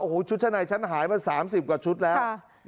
โอ้โหชุดชั้นในฉันหายมา๓๐กว่าชุดแล้ว